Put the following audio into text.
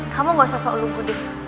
kamu gak usah soal lukud deh